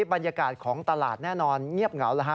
บรรยากาศของตลาดแน่นอนเงียบเหงาแล้วฮะ